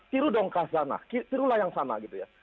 tiru dong ke sana tirulah yang sana gitu ya